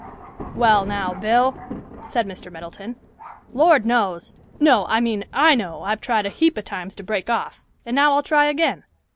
"Well now, Bill," said Mr. Middleton, "Lord knows—no, I mean I know I've tried a heap of times to break off, and now I'll try again.